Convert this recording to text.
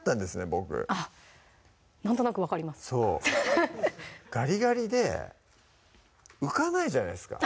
僕なんとなく分かりますそうガリガリで浮かないじゃないですか